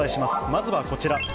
まずはこちら。